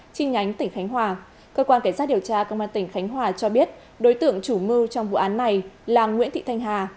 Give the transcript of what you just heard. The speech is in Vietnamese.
chi nhánh tỉnh khánh hòa cơ quan cảnh sát điều tra công an tỉnh khánh hòa cho biết đối tượng chủ mưu trong vụ án này là nguyễn thị thanh hà